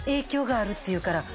あるっていうから。